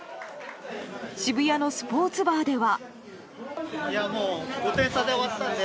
渋谷のスポーツバーでは。